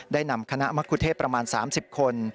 นำคณะมะคุเทศประมาณ๓๐คน